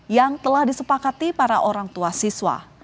yang telah disepakati para orang tua siswa